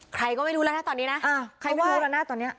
ใครก็ไม่รู้แล้วนะตอนนี้นะใครไม่รู้แล้วนะตอนนี้